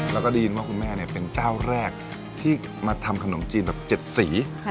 แล้วก็ได้ยินว่าคุณแม่เป็นเจ้าแรกที่มาทำขนมจีนแบบ๗สี